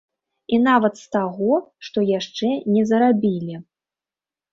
І нават з таго, што яшчэ не зарабілі.